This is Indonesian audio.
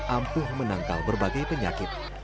ampuh menangkal berbagai penyakit